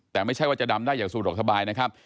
แต่ไม่ใช่ว่าจะดำได้อย่างสะดวกสบายนะครับ